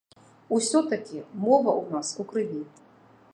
Усё-такі мова ў нас у крыві.